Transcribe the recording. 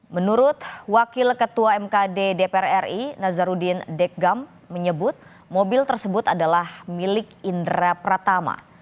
menurut wakil ketua mkd dpr ri nazarudin deggam menyebut mobil tersebut adalah milik indra pratama